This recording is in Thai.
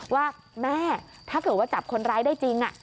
ว่าแม่ถ้าเกิดว่าจับคนร้ายได้จริง